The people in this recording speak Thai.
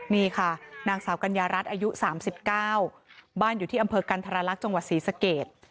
นี่ค่ะนางสาวกัญญารัฐอายุ๓๙บ้านอยู่ที่อำเภอกันธรรลักษณ์จังหวัดศรีสเกต